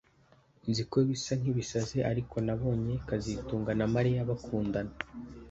Nzi ko bisa nkibisazi ariko nabonye kazitunga na Mariya bakundana